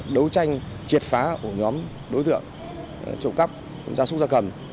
đấu tranh triệt phá ổ nhóm đối tượng trộm cắp gia súc gia cầm